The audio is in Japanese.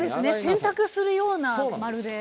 洗濯するようなまるで。